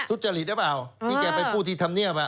ทุจริตหรือเปล่าที่แกไปพูดที่ธรรมเนียบ